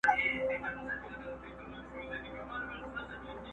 ذره غوندي وجود یې د اټوم زور شرمولی،